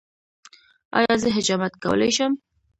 ایا زه حجامت کولی شم؟